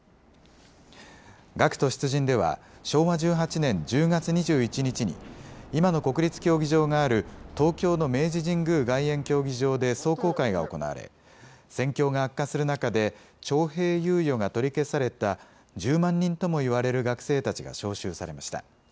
学徒出陣では、昭和１８年１０月２１日に、今の国立競技場がある東京の明治神宮外苑競技場で壮行会が行われ、戦況が悪化する中で、徴兵猶予が取り消された１０万人ともいわれる学生たちが召集されました。